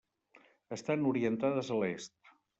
Estan orientades a l'est.